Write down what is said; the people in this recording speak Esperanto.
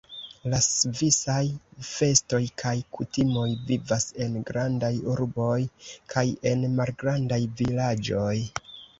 La svisaj festoj kaj kutimoj vivas en grandaj urboj kaj en malgrandaj vilaĝoj.